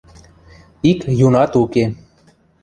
Ик юнат уке.